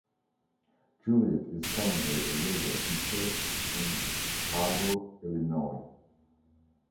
Juliet is currently a yoga teacher in Chicago, Illinois.